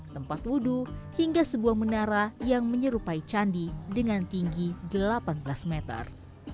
tempat wudhu hingga sebuah menara yang menyerupai candi dengan tinggi delapan belas meter